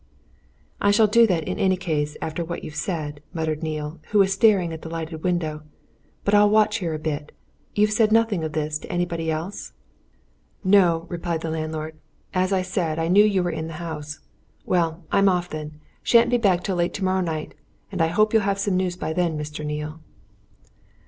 "I shall do that, in any case, after what you've said," muttered Neale, who was staring at the lighted window. "But I'll watch here a bit. You've said nothing of this to anybody else?" "No," replied the landlord. "As I said, I knew you were in the house. Well, I'm off, then. Shan't be back till late tomorrow night and I hope you'll have some news by then, Mr. Neale."